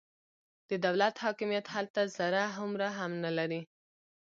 د دولت حاکمیت هلته ذره هومره هم نه لري.